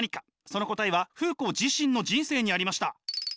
その答えはフーコー自身の人生にありました。